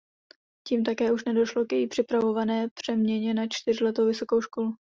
Tím také už nedošlo k její připravované přeměně na čtyřletou vysokou školu.